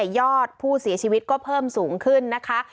ยอดผู้เสียชีวิตก็เพิ่มสูงขึ้นนะคะ